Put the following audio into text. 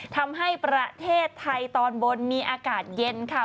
ทำให้ประเทศไทยตอนบนมีอากาศเย็นค่ะ